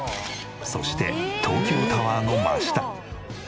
そして東京タワーの真下。